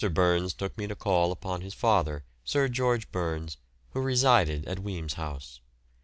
Burns took me to call upon his father, Sir George Burns, who resided at Wemyss House.